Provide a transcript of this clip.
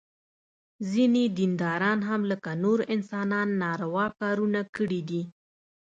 ځینې دینداران هم لکه نور انسانان ناروا کارونه کړي دي.